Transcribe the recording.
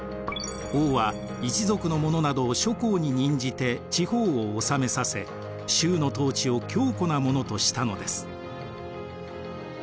王は一族の者などを諸侯に任じて地方を治めさせ周の統治を強固なものとしたのです。